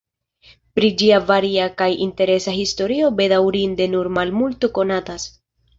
Pri ĝia varia kaj interesa historio bedaŭrinde nur malmulto konatas.